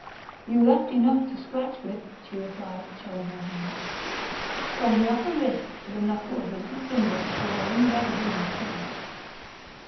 "You left enough to scratch with," she replied, showing her hand. From the upper wrist to the knuckle of the little finger a welling red wound showed.